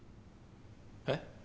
えっ？